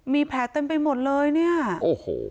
มีแผลเต็มไปหมดเลยเนี่ย